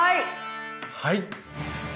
はい。